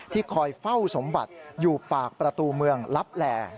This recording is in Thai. คอยเฝ้าสมบัติอยู่ปากประตูเมืองลับแหล่